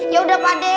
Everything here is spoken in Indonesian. ya udah pak d